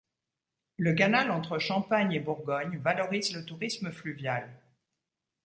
Le canal entre Champagne et Bourgogne valorise le tourisme fluvial.